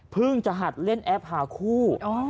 เพิ่งจะหัดเล่นแอปภาคู่